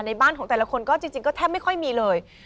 บ้านของแต่ละคนก็จริงก็แทบไม่ค่อยมีเลย